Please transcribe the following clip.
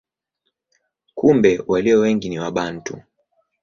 Kumbe walio wengi ni Wabantu.